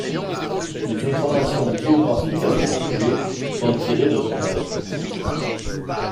Les informations biographiques à son sujet sont tirées de son œuvre.